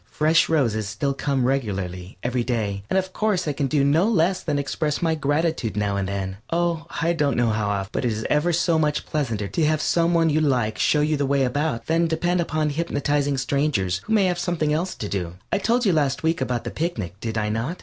Fresh roses still come regularly every day, and of course I can do no less than express my gratitude now and then. Oh, I don't know how often, I don't remember. But it is ever so much pleasanter to have some one you like to show you the way about than to depend on hypnotizing strangers, who may have something else to do. I told you last week about the picnic, did I not?